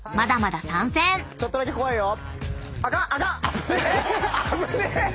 ちょっとだけ怖いよ。